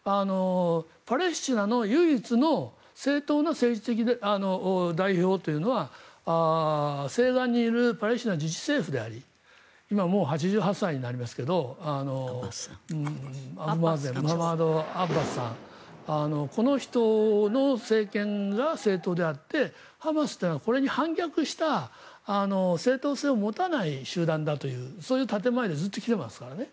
パレスチナの唯一の正統な代表というのは西岸にいるパレスチナ自治政府であり今はもう８８歳になりますがアッバスさんこの人の政権が正統であってハマスというのはこれに反逆した正統性を持たない集団だというそういう建前でずっと来ていますからね。